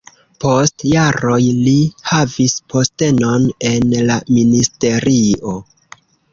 Post jaroj li havis postenon en la ministerio.